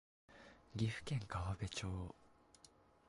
岐阜県川辺町